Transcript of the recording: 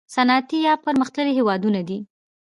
صنعتي یا پرمختللي هیوادونه دي.